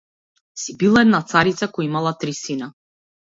Си била една царица која имала три сина.